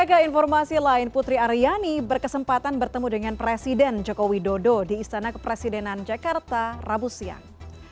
sebagai informasi lain putri aryani berkesempatan bertemu dengan presiden jokowi dodo di istana kepresidenan jakarta rabu siang